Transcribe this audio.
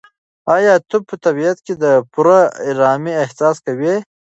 ایا ته په طبیعت کې د پوره ارامۍ احساس کوې؟